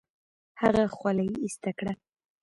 هغه خولۍ ایسته کړه.